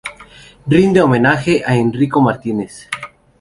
Rinde homenaje a Enrico Martínez.